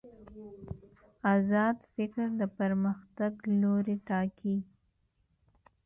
ازاد فکر د پرمختګ لوری ټاکي.